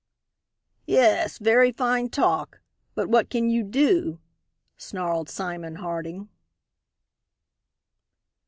"Yes, very fine talk, but what can you do?" snarled Simon Harding.